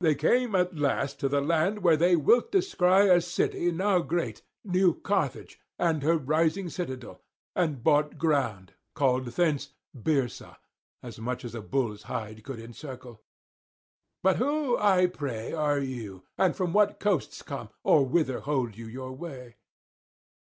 They came at last to the land where thou wilt descry a city now great, New Carthage, and her rising citadel, and bought ground, called thence Byrsa, as much as a bull's hide would encircle. But who, I pray, are you, or from what coasts come, or whither hold you your way?'